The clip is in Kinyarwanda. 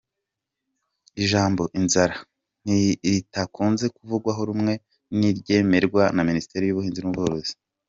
Ijambo inzara ritakunze kuvugwaho rumwe, ntiryemerwa na Minisiteri y’Ubuhinzi n’Ubworozi.